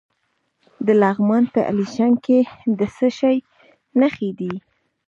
د لغمان په الیشنګ کې د څه شي نښې دي؟